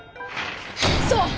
そう！